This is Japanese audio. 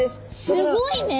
すごいね。